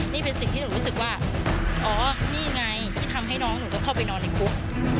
นี่เป็นสิ่งที่หนูรู้สึกว่าอ๋อนี่ไงที่ทำให้น้องหนูต้องเข้าไปนอนในคุก